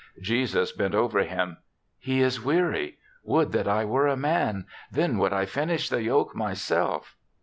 Jesus bent over him. "He is weary. Would that I were a man; then would I finish the yoke myself."